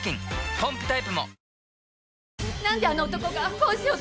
ポンプタイプも！